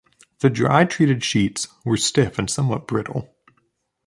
The dry treated sheets were stiff and somewhat brittle.